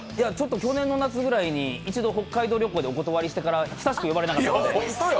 去年の夏ぐらいに北海道旅行でお断りしてから久しく呼ばれなかったので。